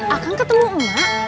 akang ketemu emak